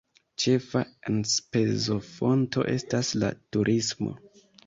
Ĉefa enspezofonto estas la turismo.